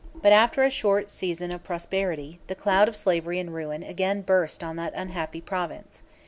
But after a short season of prosperity, the cloud of slavery and ruin again burst on that unhappy province.